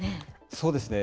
そうですね。